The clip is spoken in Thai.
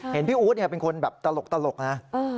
เห็นพี่อุ๊ตเป็นคนตลกนะ